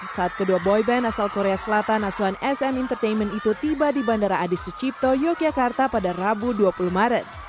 saat kedua boyband asal korea selatan asuhan sm entertainment itu tiba di bandara adi sucipto yogyakarta pada rabu dua puluh maret